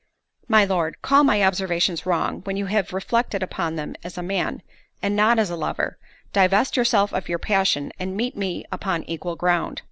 "My Lord, call my observations wrong, when you have reflected upon them as a man, and not as a lover—divest yourself of your passion, and meet me upon equal ground."